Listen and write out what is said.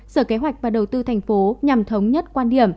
sở kế hoạch và đầu tư tp hcm nhằm thống nhất quan điểm